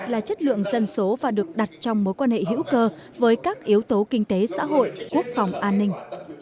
là chất lượng dân số và được đặt trong mối quan hệ hữu cơ với các yếu tố kinh tế xã hội quốc phòng an ninh